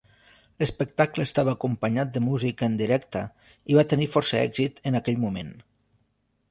L'espectacle estava acompanyat de música en directe i va tenir força èxit en aquell moment.